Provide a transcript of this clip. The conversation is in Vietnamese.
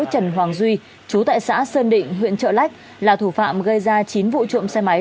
trần hoàng duy chú tại xã sơn định huyện trợ lách là thủ phạm gây ra chín vụ trộm xe máy